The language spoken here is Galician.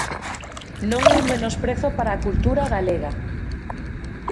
Non é un menosprezo para a cultura galega.